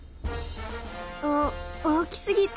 お大きすぎた？